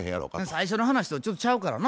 最初の話とちょっとちゃうからな。